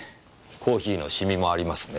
コーヒーのシミもありますね。